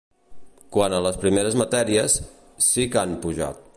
Quant a les primeres matèries, sí que han pujat.